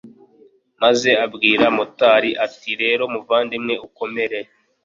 maze abwira motari ati rero muvandimwe ukomere